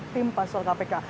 tim pansel kpk